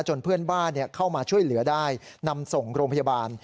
เพื่อนบ้านเข้ามาช่วยเหลือได้นำส่งโรงพยาบาล